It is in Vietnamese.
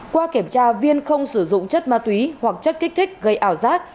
qua kiểm tra viên không sử dụng chất ma túy hoặc chất kích thích gây ảo giác